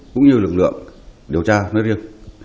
cũng như lực lượng điều tra nói riêng